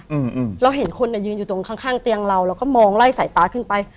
อืมเราเห็นคนเนี้ยยืนอยู่ตรงข้างข้างข้างเตียงเราแล้วก็มองไล่สายตาขึ้นไป